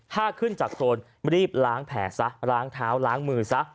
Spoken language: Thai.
ถ้าขึ้นจากโครนรีบล้างแผลซะล้างเท้าล้างมือซะ